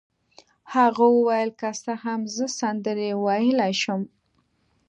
هغه وویل: که څه هم زه سندرې ویلای شم.